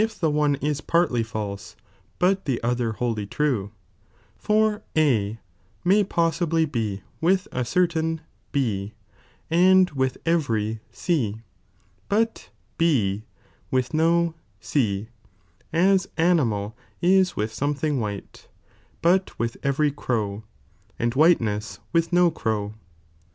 one panir false, but the other wholly true, for A may possibly f*' be with a certain B and with every C, but B with no C, as ani mal is with something white, but with every crow, and white ness with DO crow.